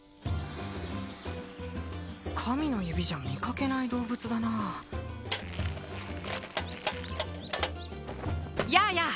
神の指じゃ見かけない動物だなやあやあ